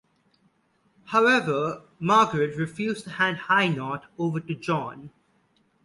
However, Margaret refused to hand Hainaut over to John.